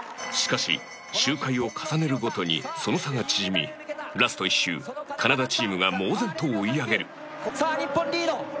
しかし、周回を重ねるごとにその差が縮みラスト１周、カナダチームが猛然と追い上げる実況：さあ、日本リード。